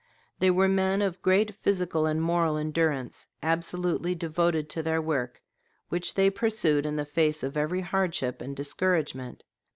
They were men of great physical and moral endurance, absolutely devoted to their work, which they pursued in the face of every hardship and discouragement.